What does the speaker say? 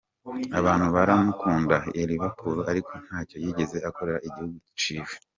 Abantu baramukunda i Liverpool ariko ntaco yigeze akorera igihugu ciwe.